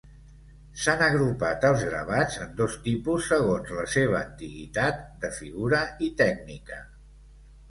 S'han agrupat els gravats en dos tipus segons la seva antiguitat, de figura i tècnica.